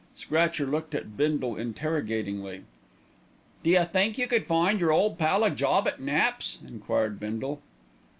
Scratcher looked at Bindle interrogatingly. "D'you think you could find your ole pal a job at Nap's?" enquired Bindle.